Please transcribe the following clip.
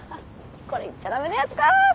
これ言っちゃ駄目なやつか！